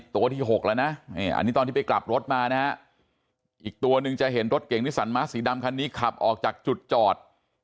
ตัวที่๖แล้วนะอันนี้ตอนที่ไปกลับรถมานะฮะอีกตัวหนึ่งจะเห็นรถเก่งนิสันม้าสีดำคันนี้ขับออกจากจุดจอด